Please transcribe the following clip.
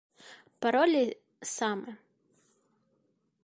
Paroli same.